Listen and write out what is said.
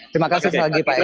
terima kasih sekali lagi pak